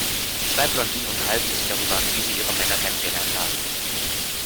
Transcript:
Zwei Blondinen unterhalten sich darüber, wie sie ihre Männer kennengelernt haben.